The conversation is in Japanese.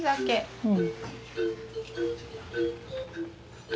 うん。